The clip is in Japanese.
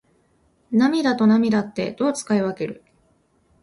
涙と泪ってどう使い分ける？